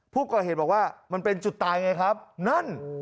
ผู้ก่อเหตุบอกว่ามันเป็นจุดตายไงครับนั่น